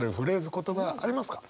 言葉ありますか？